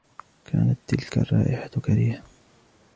كانت تلك الرائحة كريهة.